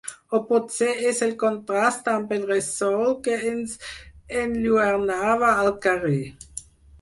O potser és el contrast amb el ressol que ens enlluernava al carrer.